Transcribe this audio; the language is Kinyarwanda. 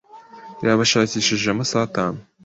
Yabashakishije amasaha atanu.